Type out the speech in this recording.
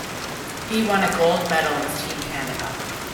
He won a gold medal with Team Canada.